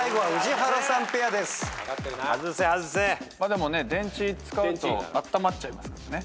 でもね電池使うとあったまっちゃいますからね。